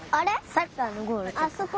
サッカーのゴールとか。